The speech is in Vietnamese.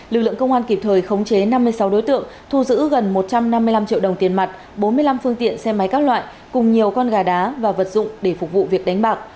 lực lượng công an kịp thời khống chế năm mươi sáu đối tượng thu giữ gần một trăm năm mươi năm triệu đồng tiền mặt bốn mươi năm phương tiện xe máy các loại cùng nhiều con gà đá và vật dụng để phục vụ việc đánh bạc